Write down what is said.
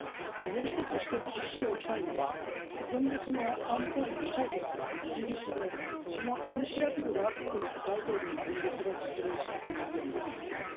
もう一つ指摘しておきたいのは今月の安保理議長国がイギリスでそのイニシアティブがあって大統領の演説が実現するという点です。